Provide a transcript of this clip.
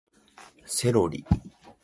セロリ